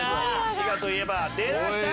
滋賀といえば出ました！